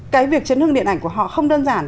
cái việc chấn hương điện ảnh của họ không đơn giản